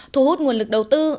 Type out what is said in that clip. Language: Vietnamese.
thu hút nguồn lực đầu tư